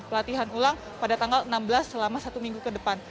latihan ulang pada tanggal enam belas selama satu minggu ke depan